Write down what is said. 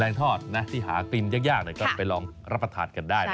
ทอดนะที่หากินยากก็ไปลองรับประทานกันได้